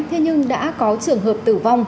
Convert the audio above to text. thế nhưng đã có trường hợp tử vong